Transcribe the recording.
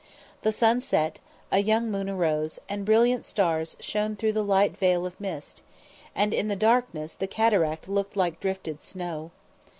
The sun set; a young moon arose, and brilliant stars shone through the light veil of mist, and in the darkness the cataract looked like drifted snow.